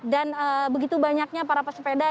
dan begitu banyaknya para pesepeda